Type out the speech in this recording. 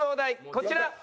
こちら。